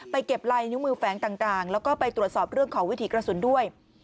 เก็บลายนิ้วมือแฝงต่างแล้วก็ไปตรวจสอบเรื่องของวิถีกระสุนด้วย